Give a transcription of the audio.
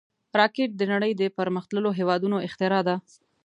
راکټ د نړۍ د پرمختللو هېوادونو اختراع ده